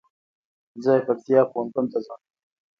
زه پکتيا پوهنتون ته ځم